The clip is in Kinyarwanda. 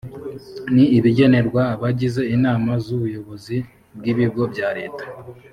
ni ibigenerwa abagize inama z’ubuyobozi bw’ibigo bya leta